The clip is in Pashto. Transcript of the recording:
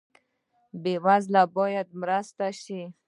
بې وزله باید مرسته شي